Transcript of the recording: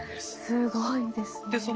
すごいですね。